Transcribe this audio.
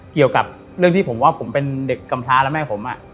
เกี่ยวกับเรื่องที่ผมว่าผมเป็นเด็กกำพลาและแม่ผม